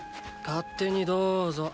勝手にどーぞ。